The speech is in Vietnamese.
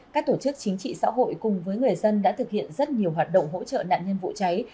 các tổ chức chính trị xã hội cùng với người dân đã thực hiện rất nhiều hoạt động hỗ trợ nạn nhân vụ cháy